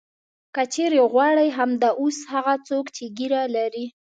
که چېرې غواړې همدا اوس هغه څوک چې ږیره لري.